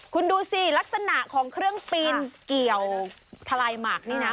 คุณดูสิลักษณะของเครื่องปีนเกี่ยวทะลายหมักนี่นะ